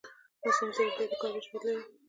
مصنوعي ځیرکتیا د کار وېش بدلوي.